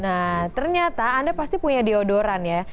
nah ternyata anda pasti punya deodoran ya